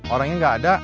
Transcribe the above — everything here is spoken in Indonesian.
orangnya gak ada